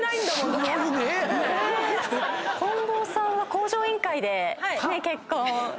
近藤さんは『向上委員会』で結婚を。